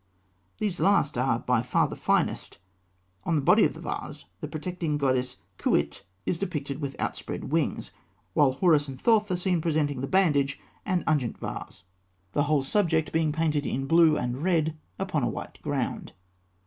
These last are by far the finest. On the body of the vase, the protecting goddess Khûit is depicted with outspread wings, while Horus and Thoth are seen presenting the bandage and the unguent vase; the whole subject being painted in blue and red upon a white ground.